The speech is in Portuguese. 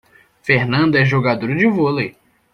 Fernanda é jogadora de vôlei.